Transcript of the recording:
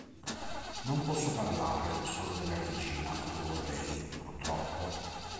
Non posso parlare solo della regina come vorrei, purtroppo.